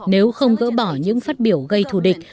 nếu không gỡ bỏ những phát biểu gây thù địch